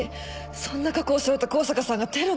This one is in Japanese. そんな過去を背負った香坂さんがテロなんて。